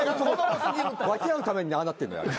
分け合うためにああなってるんだよ。